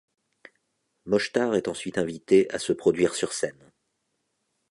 Mochtar est ensuite invité à se produire sur scène.